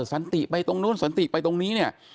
สันติไปตรงนู้นสันติไปตรงนี้เนี่ย